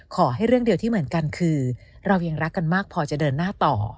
ขอให้เรื่องเดียวที่เหมือนกันคือเรายังรักกันมากพอจะเดินหน้าต่อ